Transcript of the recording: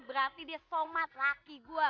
berarti dia somad laki gue